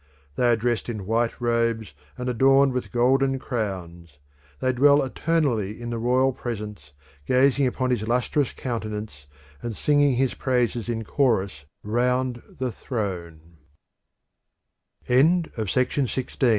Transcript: They are dressed in white robes and adorned with golden crowns; they dwell eternally in the royal presence, gazing upon his lustrous countenance and singing his praises in chorus round